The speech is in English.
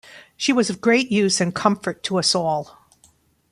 She was of great use and comfort to us all.